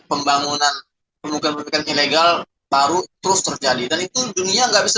pembangunan pendidikan ilegal baru terus terjadi dan itu dunia nggak bisa